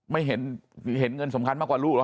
ไม่เห็นเห็นเงินสำคัญมากกว่าลูกแล้ว